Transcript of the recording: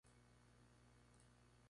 Será ejecutado al amanecer.